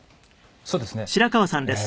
そうですねえー。